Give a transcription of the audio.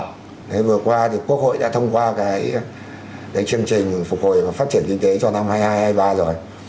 thế vừa qua thì quốc hội đã thông qua cái chương trình phục hồi và phát triển kinh tế cho năm hai nghìn hai mươi hai hai nghìn hai mươi ba rồi